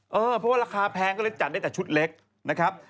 เพราะว่าราคาแพงก็เลยจัดได้แต่ชุดเล็กนะครับ